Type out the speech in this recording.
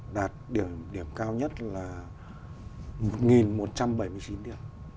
đạt điểm cao nhất là một nghìn một trăm bảy mươi chín điểm